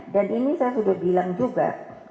dan ini saya sudah bilang juga